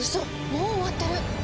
もう終わってる！